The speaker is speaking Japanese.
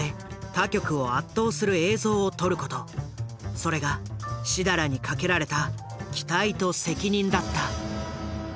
それが設楽に懸けられた期待と責任だった。